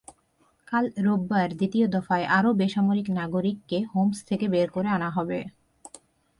কাল রোববার দ্বিতীয় দফায় আরও বেসামরিক নাগরিককে হোমস থেকে বের করে আনা হবে।